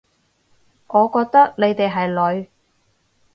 我覺得你哋係女